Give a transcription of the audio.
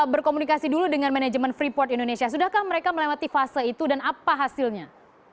berkomunikasi dulu dengan manajemen freeport indonesia sudahkah mereka melewati fase itu dan apa hasilnya